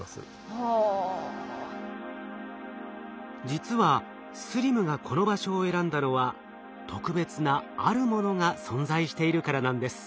実はＳＬＩＭがこの場所を選んだのは特別な「あるもの」が存在しているからなんです。